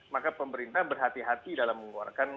maka pemerintah berhati hati dalam mengeluarkan